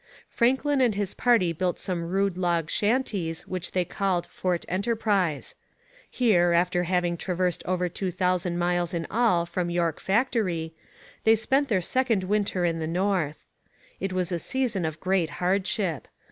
Franklin and his party built some rude log shanties which they called Fort Enterprise. Here, after having traversed over two thousand miles in all from York Factory, they spent their second winter in the north. It was a season of great hardship.